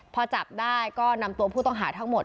พอจับได้ก็นำตัวผู้ต้องหาทั้งหมด